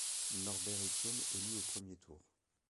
Norbert Étienne élu au premier tour.